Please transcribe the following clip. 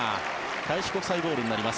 開志国際ボールになります。